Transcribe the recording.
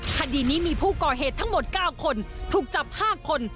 คดีนี้มีผู้ก่อเหตุทั้งหมด๙คนถูกจับ๕คน